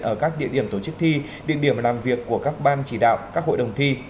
ở các địa điểm tổ chức thi địa điểm làm việc của các ban chỉ đạo các hội đồng thi